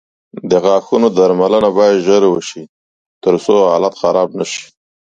د غاښونو درملنه باید ژر وشي، ترڅو حالت خراب نه شي.